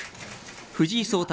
藤井聡太